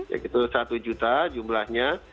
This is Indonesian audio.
yaitu satu juta jumlahnya